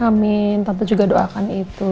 amin tapi juga doakan itu